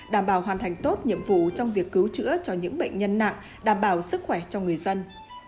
đảm bảo hoàn thành tốt nhiệm vụ trong việc cứu chữa cho những bệnh nhân nặng đảm bảo sức khỏe cho người dân